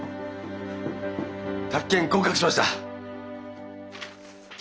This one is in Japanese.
宅建合格しました！